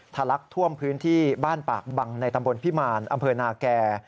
ลักท่วมพื้นที่บ้านปากบังในตำบลพิมารอำเภอนาแก่